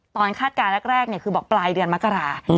คาดการณ์แรกคือบอกปลายเดือนมกรา